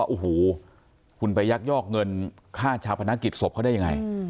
ว่าโอ้โหคุณไปยักยอกเงินฮสภพนักกิจของชาวประกอบบให้ได้ยังไง